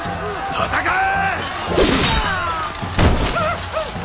戦え！